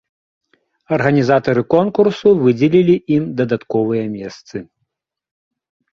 Арганізатары конкурсу выдзелілі ім дадатковыя месцы.